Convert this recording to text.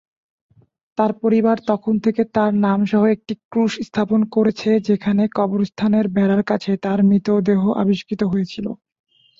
তার পরিবার তখন থেকে তার নাম সহ একটি ক্রুশ স্থাপন করেছে যেখানে কবরস্থানের বেড়ার কাছে তার মৃতদেহ আবিষ্কৃত হয়েছিল।